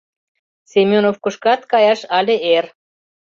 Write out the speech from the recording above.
Семёновкышкат каяш але эр.